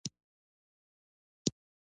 دښتې د کلتور په داستانونو کې دي.